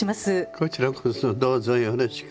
こちらこそどうぞよろしく。